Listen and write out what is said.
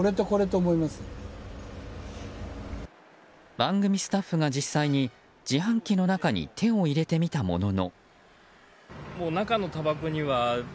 番組がスタッフが実際に自販機の中に手を入れてみたものの。